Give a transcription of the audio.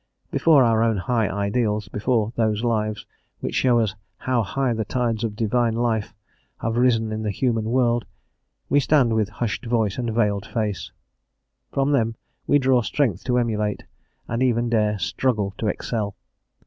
Before our own high ideals, before those lives which show us "how high the tides of divine life have risen in the human world," we stand with hushed voice and veiled face; from them we draw strength to emulate, and even dare struggle to excel.